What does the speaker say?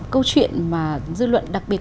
câu chuyện mà dư luận đặc biệt